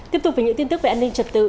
tiếp tục với những tin tức về an ninh trật tự